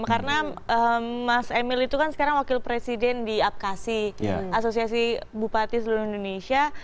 karena mas emil itu kan sekarang wakil presiden di apkasi asosiasi bupati seluruh indonesia